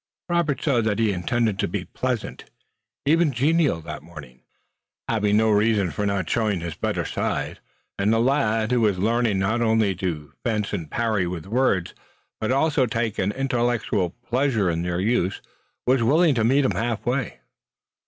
Robert saw that he intended to be pleasant, even genial that morning, having no reason for not showing his better side, and the lad, who was learning not only to fence and parry with words, but also to take an intellectual pleasure in their use, was willing to meet him half way.